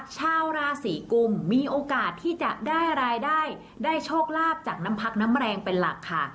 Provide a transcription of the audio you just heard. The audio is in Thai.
ชาวราศีกุมมีโอกาสที่จะได้รายได้ได้โชคลาภจากน้ำพักน้ำแรงเป็นหลักค่ะ